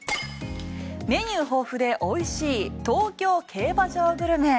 メニュー豊富でおいしい東京競馬場グルメ。